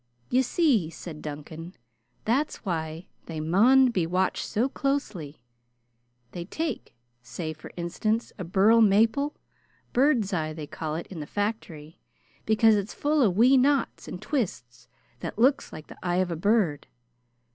"Ye see," said Duncan, "that's why they maun be watched so closely. They tak', say, for instance, a burl maple bird's eye they call it in the factory, because it's full o' wee knots and twists that look like the eye of a bird.